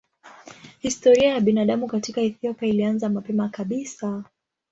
Historia ya binadamu katika Ethiopia ilianza mapema kabisa.